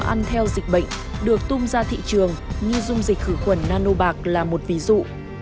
ăn theo dịch bệnh được tung ra thị trường như dung dịch khử khuẩn nano bạc là một ví dụ